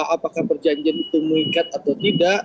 apakah perjanjian itu mengikat atau tidak